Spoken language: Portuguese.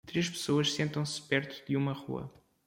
Três pessoas sentam-se perto de uma rua.